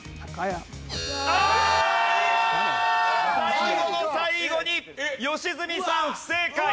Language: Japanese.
最後の最後に良純さん不正解！